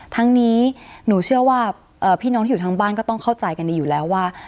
ทั้งนี้หนูเชื่อว่าพี่น้องที่อยู่ทางบ้านก็ต้องเข้าใจกันดีอยู่แล้วว่า